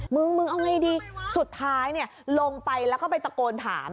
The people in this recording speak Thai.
มึงมึงเอาไงดีสุดท้ายลงไปแล้วก็ไปตะโกนถาม